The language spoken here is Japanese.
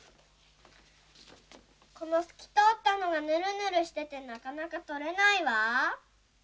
このすきとおったのがぬるぬるしててなかなかとれないわ。